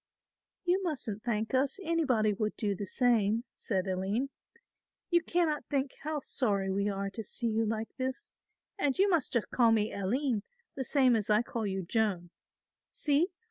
"You mustn't thank us, anybody would do the same," said Aline; "you cannot think how sorry we are to see you like this, and you must just call me Aline the same as I call you Joan. See!